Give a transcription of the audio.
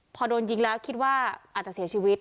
พอโดนยิงแล้วคิดว่าอาจจะเสียชีวิต